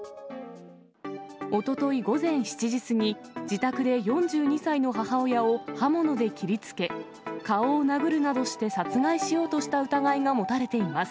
おととい午前７時過ぎ、自宅で４２歳の母親を刃物で切りつけ、顔を殴るなどして殺害しようとした疑いが持たれています。